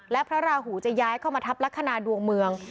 และพระราหูจะย้ายเข้ามาทับลักษณะดวงเมือง